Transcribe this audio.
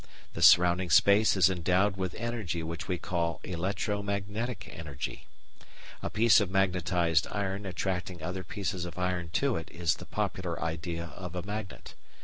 The surrounding space is endowed with energy which we call electro magnetic energy. A piece of magnetised iron attracting other pieces of iron to it is the popular idea of a magnet.